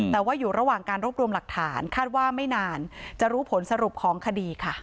แต่ว่าอยู่ระหว่างการรวบรวมหลักฐานคาดว่าไม่นานจะรู้ผลสรุปของคดีค่ะ